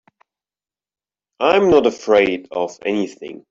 I'm not afraid of anything.